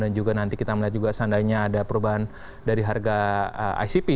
dan juga nanti kita melihat juga seandainya ada perubahan dari harga icp